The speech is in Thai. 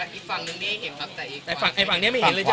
แต่ฝั่งนึงมีให้เห็นแต่ฝั่งนี้ไม่เห็นเลยใช่ไหม